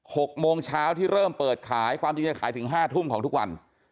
หกโมงเช้าที่เริ่มเปิดขายความจริงจะขายถึงห้าทุ่มของทุกวัน